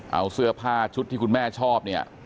เอาเสื้อผ้าชุดที่คุณแม่ชอบเนี่ย